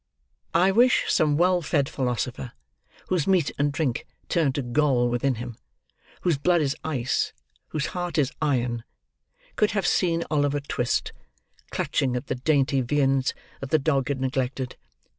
I wish some well fed philosopher, whose meat and drink turn to gall within him; whose blood is ice, whose heart is iron; could have seen Oliver Twist clutching at the dainty viands that the dog had neglected.